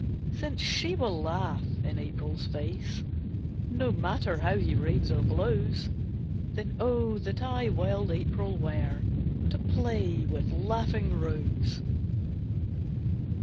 Since she will laugh in April's face, No matter how he rains or blows Then O that I wild April were, To play with laughing Rose.